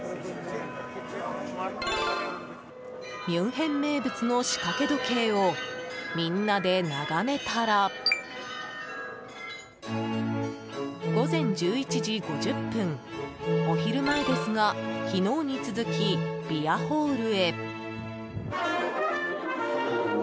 ミュンヘン名物の仕掛け時計をみんなで眺めたら午前１１時５０分、お昼前ですが昨日に続きビアホールへ。